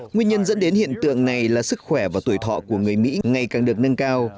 nguyên nhân dẫn đến hiện tượng này là sức khỏe và tuổi thọ của người mỹ ngày càng được nâng cao